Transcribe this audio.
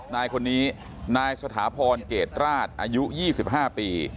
นายคนนี้นายสถาพรเกรดราชอายุ๒๕ปี